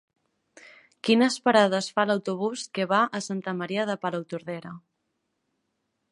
Quines parades fa l'autobús que va a Santa Maria de Palautordera?